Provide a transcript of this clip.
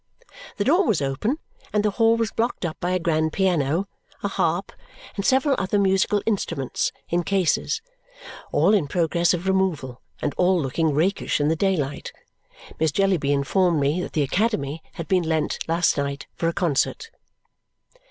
The door was open, and the hall was blocked up by a grand piano, a harp, and several other musical instruments in cases, all in progress of removal, and all looking rakish in the daylight. Miss Jellyby informed me that the academy had been lent, last night, for a concert.